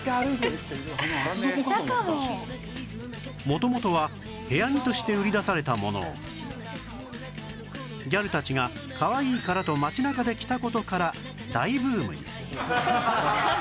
元々は部屋着として売り出されたものをギャルたちがかわいいからと街中で着た事から大ブームに